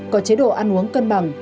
có chế độ ăn uống cân bằng